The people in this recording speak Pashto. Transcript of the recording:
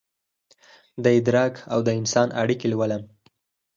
دادراک اودانسان اړیکې لولم